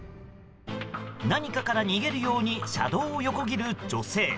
何かから逃げるように車道を横切る女性。